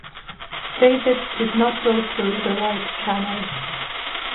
David did not go through the right channels.